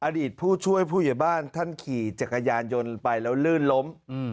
อดีตผู้ช่วยผู้ใหญ่บ้านท่านขี่จักรยานยนต์ไปแล้วลื่นล้ม